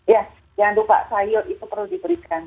ya jangan lupa sayur itu perlu diberikan